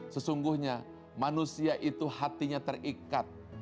sesungguhnya manusia itu hatinya terikat